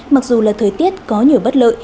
mặc dù là thời tiết có nhiều bất lợi